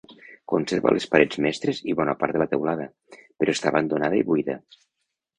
Conserva les parets mestres i bona part de la teulada, però està abandonada i buida.